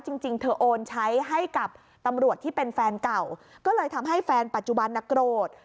จริงจริงเธอโอนใช้ให้กับตำรวจที่เป็นแฟนเก่าก็เลยทำให้แฟนปัจจุบันน่ะโกรธ